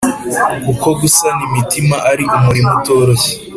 kuko gusana imitima ari umurimo utoroshye.